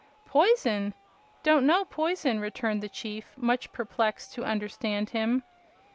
"Poison? Don't know poison," returned the chief, much perplexed to understand him.